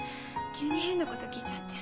急に変なこと聞いちゃって。